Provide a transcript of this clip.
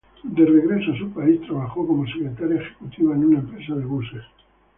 De regreso a su país, trabajó como secretaría ejecutiva en una empresa de buses.